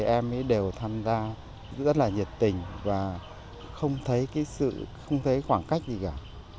em ấy đều tham gia rất là nhiệt tình và không thấy cái sự không thấy khoảng cách gì cả